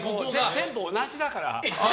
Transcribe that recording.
テンポ同じだから。